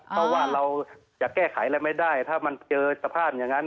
เพราะว่าเราจะแก้ไขอะไรไม่ได้ถ้ามันเจอสภาพอย่างนั้น